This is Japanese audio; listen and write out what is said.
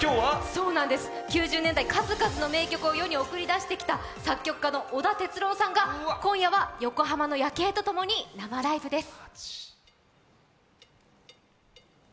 そうなんです、９０年代数々の名曲を世に送り出してきた作曲家の織田哲郎さんが、今夜は横浜の夜景と共に生ライブです。